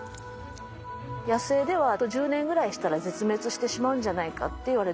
野生ではあと１０年ぐらいしたら絶滅してしまうんじゃないかっていわれてる。